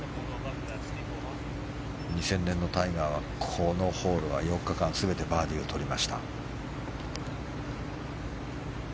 ２０００年のタイガーはこのホールは４日間全てバーディーをとりました。